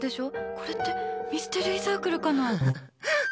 これってミステリーサークルかも。